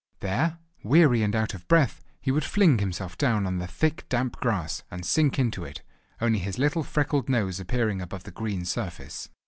There, weary and out of breath, he would fling himself down on the thick damp grass, and sink into it, only his little freckled nose appearing above the green surface.